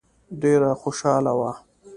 ډېره خوشاله وه.